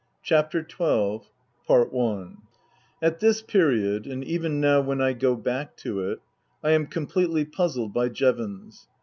BOOK III HIS BOOK XII AT this period, and even now when I go back to it, I am completely puzzled by Jevons.